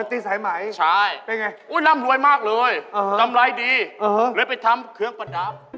รถตีสายัยไหมใช่โดยลำรวยมากเลยชำไรดีหรือไปทำเครื่องประดับ